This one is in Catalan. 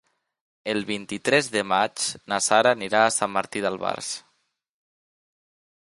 El vint-i-tres de maig na Sara anirà a Sant Martí d'Albars.